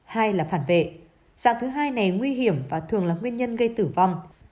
hai là phản vệ dạng thứ hai này nguy hiểm và thường là nguyên nhân gây tử vong